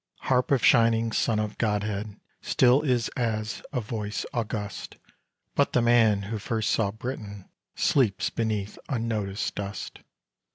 Harp of shining son of Godhead still is as a voice august; But the man who first saw Britain sleeps beneath unnoticed dust.